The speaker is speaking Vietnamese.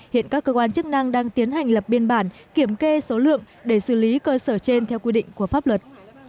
hiện các cơ quan chức năng đang tiến hành lập biên bản kiểm kê số lượng để xử lý cơ sở trên theo quy định của pháp luật